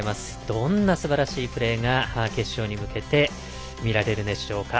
どんなすばらしいプレーが決勝に向けて見られるでしょうか。